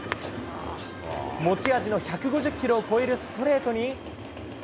持ち味の１５０キロを超えるストレートに。